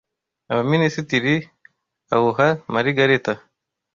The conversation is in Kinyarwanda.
abaminisitiri, awuha Marigareta